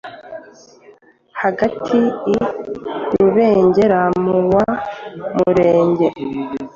hagati i Rubengera mu wa murenge